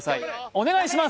お願いしま